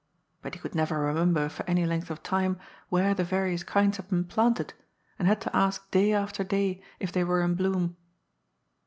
But he could never remember for any length of time where the various kinds had been plant ed, and had to ask day after day if they were in bloom.